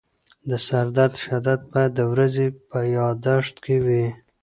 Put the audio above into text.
د سردرد شدت باید د ورځې په یادښت کې وي.